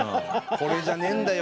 「これじゃねえんだよ